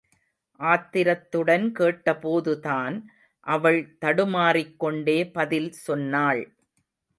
ஆத்திரத்துடன் கேட்டபோதுதான், அவள் தடுமாறிக் கொண்டே பதில் சொன்னாள்.